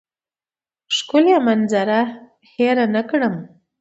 ښکلې منظره هېره نه کړم.